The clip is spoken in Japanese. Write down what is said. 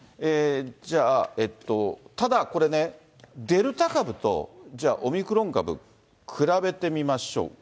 じゃあ、えっと、ただこれね、デルタ株とオミクロン株、比べてみましょう。